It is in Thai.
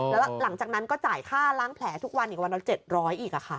แล้วหลังจากนั้นก็จ่ายค่าล้างแผลทุกวันอีกวันละ๗๐๐อีก